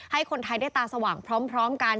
ให้คนไทยได้ตาสว่างพร้อมกัน